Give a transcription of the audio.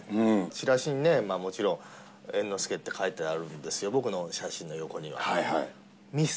チラシにもちろん、猿之助って書いてあるんですよ、僕の写真の横には。